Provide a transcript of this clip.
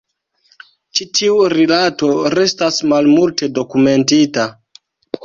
Ĉi tiu rilato restas malmulte dokumentita.